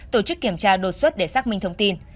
tổ chức kiểm tra đột xuất để xác minh thông tin